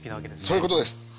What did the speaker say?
そういうことです。